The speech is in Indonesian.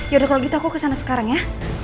ya udah kalau gitu aku kesana sekarang ya